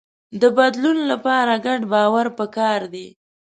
د بدلون لپاره ګډ باور پکار دی.